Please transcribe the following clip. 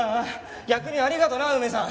逆にありがとな梅さん。